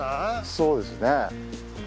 そうですね。